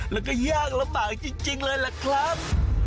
แล้วก็ยากลำบากจริงเลยล่ะครับ